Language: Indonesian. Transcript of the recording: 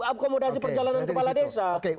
akomodasi perjalanan kepala desa